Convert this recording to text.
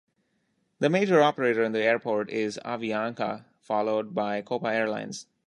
The major operator in the airport is Avianca, followed by Copa Airlines.